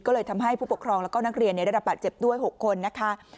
ก็เลยทำให้ผู้ปกครองแล้วก็นักเรียนได้รับบาดเจ็บด้วย๖คนนะคะ